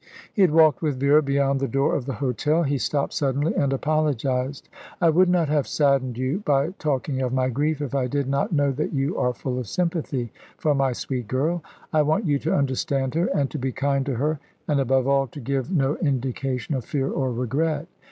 He had walked with Vera beyond the door of the hotel. He stopped suddenly, and apologised. "I would not have saddened you by talking of my grief, if I did not know that you are full of sympathy for my sweet girl. I want you to understand her, and to be kind to her, and above all to give no indication of fear or regret.